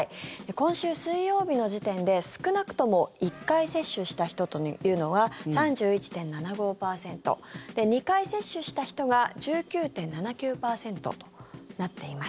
今週水曜日の時点で少なくとも１回接種した人というのは、３１．７５％２回接種した人が１９．７９％となっています。